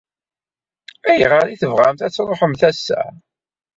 Ayɣer i tebɣamt ad tṛuḥemt ass-a?